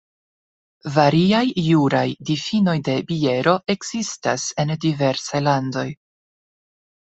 Variaj juraj difinoj de biero ekzistas en diversaj landoj.